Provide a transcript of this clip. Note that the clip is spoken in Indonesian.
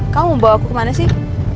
kamu bawa aku kemana sih